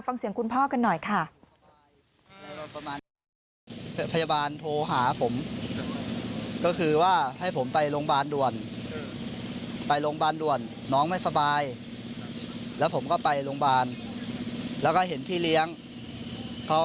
ฟังเสียงคุณพ่อกันหน่อยค่ะ